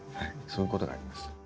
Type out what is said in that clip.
そういうことがあります。